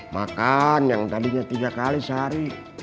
makan yang tadinya tiga kali sehari